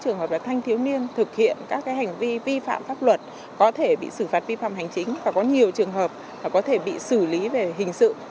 trường hợp là thanh thiếu niên thực hiện các hành vi vi phạm pháp luật có thể bị xử phạt vi phạm hành chính và có nhiều trường hợp có thể bị xử lý về hình sự